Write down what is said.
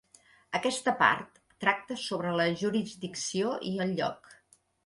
Aquesta part tracta sobre la jurisdicció i el lloc.